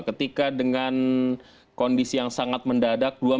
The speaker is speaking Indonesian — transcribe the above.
ketika dengan kondisi yang sangat mendadak